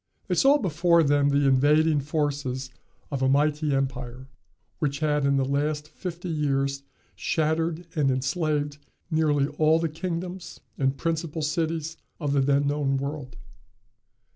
They saw before them the invading forces of a mighty empire, which had in the last fifty years shattered and enslaved nearly all the kingdoms and principal cities of the then known world.